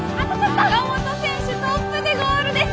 坂本選手トップでゴールです！